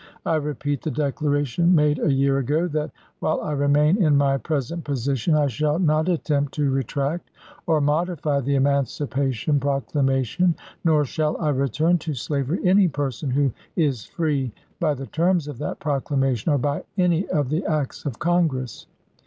I repeat the declaration made a year ago, that " While I remain in my present position I shall not attempt to retract or modify the Emancipation Proc lamation, nor shall I return to slavery any person who is free by the terms of that proclamation, or by any of the acts of Congress."